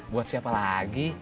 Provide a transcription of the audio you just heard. buat siapa lagi